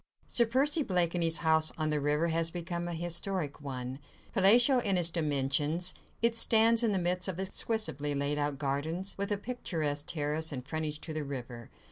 Sir Percy Blakeney's house on the river has become a historic one: palatial in its dimensions, it stands in the midst of exquisitely laid out gardens, with a picturesque terrace and frontage to the river.